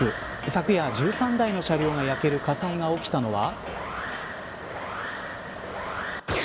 昨夜１３台の車両が焼ける火災が起きたのは。